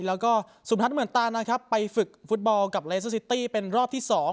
แล้วก็สุนทัศน์เหมือนตานะครับไปฝึกฟุตบอลกับเลเซอร์ซิตี้เป็นรอบที่๒